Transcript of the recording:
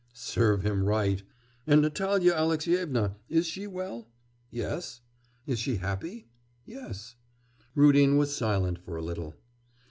'Serve him right! And Natalya Alexyevna is she well?' 'Yes.' 'Is she happy?' 'Yes.' Rudin was silent for a little.